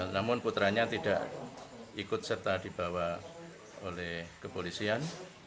namun putranya tidak ikut serta dibawa oleh kepolisian